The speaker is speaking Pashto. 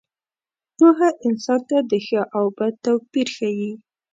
پوهه انسان ته د ښه او بد توپیر ښيي.